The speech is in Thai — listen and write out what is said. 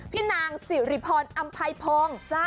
พี่นางสิริพรอัมพัยพงฮ์